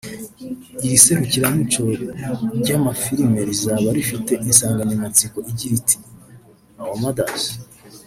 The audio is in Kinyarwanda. Iri serukiramuco ry’amafilimi rizaba rifite insanganyamatsiko igiri iti “ Our Mothers